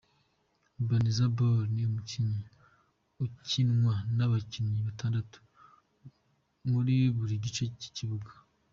Boneza ball ni umukino ukinwa n'abakinnyi batandatu muri buri gice cy'ikibuga.